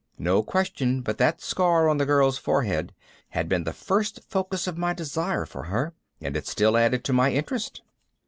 No question but that the scar on the girl's forehead had been the first focus of my desire for her and it still added to my interest.